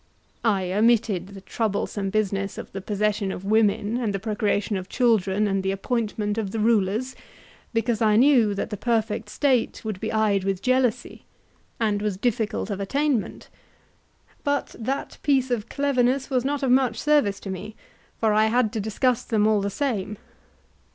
I omitted the troublesome business of the possession of women, and the procreation of children, and the appointment of the rulers, because I knew that the perfect State would be eyed with jealousy and was difficult of attainment; but that piece of cleverness was not of much service to me, for I had to discuss them all the same.